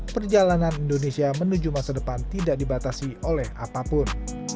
perjalanan indonesia menuju masa depan tidak dibatasi oleh apapun